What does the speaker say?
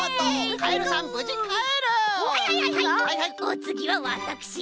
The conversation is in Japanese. おつぎはわたくし。